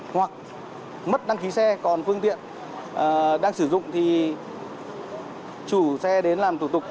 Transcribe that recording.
hoặc mất đăng ký xe còn phương tiện đang sử dụng thì chủ xe đến làm thủ tục